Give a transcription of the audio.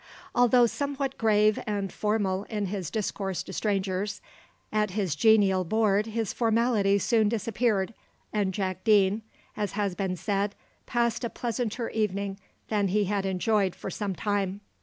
Although somewhat grave and formal in his discourse to strangers, at his genial board his formality soon disappeared, and Jack Deane, as has been said, passed a pleasanter evening than he had enjoyed for some time.